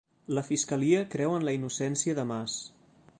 La fiscalia creu en la innocència de Mas